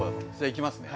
いきますね。